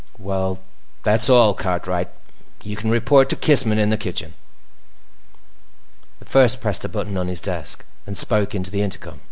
"Well, that's all, Cartwright. You can report to Kissman in the kitchen." The First pressed a button on his desk and spoke into the intercom.